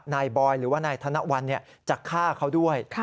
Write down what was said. นายบอยหรือว่านายธนวัฒน์เนี่ยจะฆ่าเขาด้วย